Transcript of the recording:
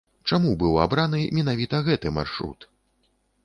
Чаму быў абраны менавіта гэты маршрут?